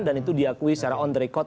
dan itu diakui secara on the record